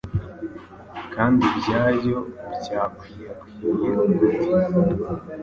kandi ibyayo byakwirakwiye gute